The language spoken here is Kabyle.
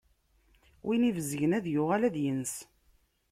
Win ibezgen, ad yuɣal ad yens.